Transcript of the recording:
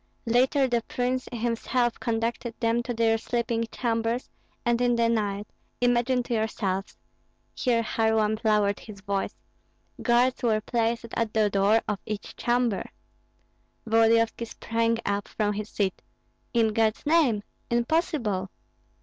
Later the prince himself conducted them to their sleeping chambers, and in the night imagine to yourselves" (here Kharlamp lowered his voice) "guards were placed at the door of each chamber." Volodyovski sprang up from his seat. "In God's name! impossible!"